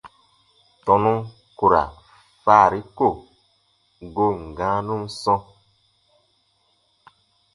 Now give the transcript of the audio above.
Tɔnu ku ra faari ko goon gãanun sɔ̃.